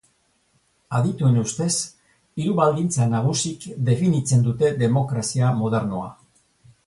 Adituen ustez, hiru baldintza nagusik definitzen dute demokrazia modernoa.